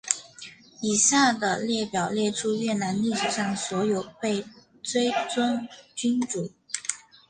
以下的列表列出越南历史上所有被追尊君主。